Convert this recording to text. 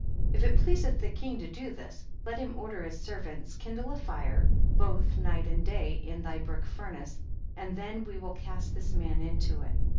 6. If it pleaseth the king to do this, let him order his servants to kindle a fire both night and day in thy brick furnace, and then we will cast this man into it.